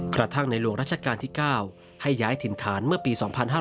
กระทั่งในหลวงรัชกาลที่๙ให้ย้ายถิ่นฐานเมื่อปี๒๕๕๙